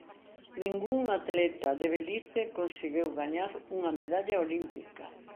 Ningún atleta de Belize conseguiu gañar unha medalla olímpica.